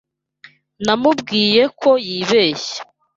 Namubwiye ko yibeshye.